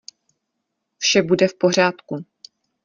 Vše bude v pořádku.